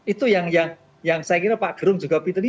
itu yang saya kira pak gerung juga fitri